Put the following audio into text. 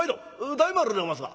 大丸でおますが」。